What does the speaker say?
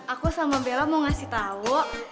aku sama bella mau ngasih tau